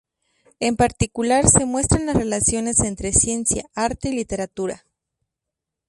En particular, se muestran las relaciones entre ciencia, arte y literatura.